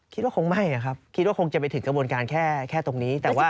คิดว่าคงไม่นะครับคิดว่าคงจะไปถึงกระบวนการแค่ตรงนี้แต่ว่า